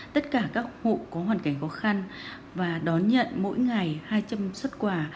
tất cả các hộ có hoàn cảnh khó khăn và đón nhận mỗi ngày hai trăm linh xuất quà